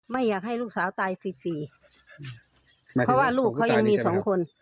ไม่อยากให้ลูกสาวตายฟรีสี่เพราะว่าลูกเขายังมีสองคน